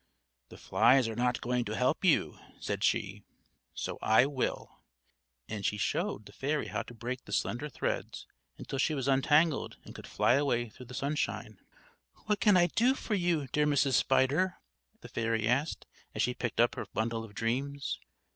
"The flies are not going to help you," said she, "so I will;" and she showed the fairy how to break the slender threads, until she was untangled and could fly away through the sunshine. "What can I do for you, dear Mrs. Spider?" the fairy asked, as she picked up her bundle of dreams.